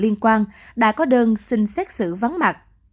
nguyễn đức trung đã có đơn xin xét xử vắng mặt